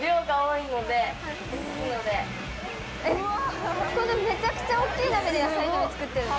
このめちゃくちゃ大っきい鍋で野菜炒め作ってるの？